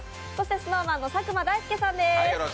ＳｎｏｗＭａｎの佐久間大介さんです。